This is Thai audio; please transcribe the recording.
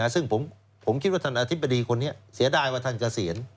ซึ่งผมคิดว่าท่านอธิบดีคนนี้เสียดายว่าท่านเกษียณ